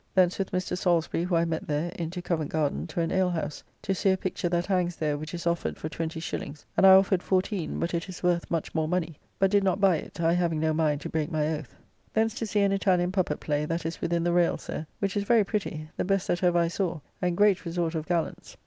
Thence with Mr. Salisbury, who I met there, into Covent Garden to an alehouse, to see a picture that hangs there, which is offered for 20s., and I offered fourteen but it is worth much more money but did not buy it, I having no mind to break my oath. Thence to see an Italian puppet play that is within the rayles there, which is very pretty, the best that ever I saw, and great resort of gallants.